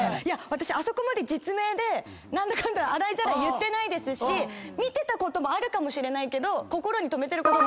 あそこまで実名で洗いざらい言ってないですし見てたこともあるかもしれないけど。